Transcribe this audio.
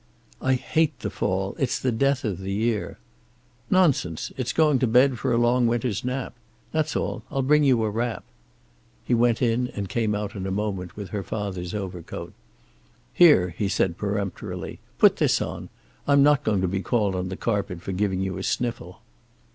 "I hate the fall. It's the death of the year." "Nonsense. It's going to bed for a long winter's nap. That's all. I'll bring you a wrap." He went in, and came out in a moment with her father's overcoat. "Here," he said peremptorily, "put this on. I'm not going to be called on the carpet for giving you a sniffle."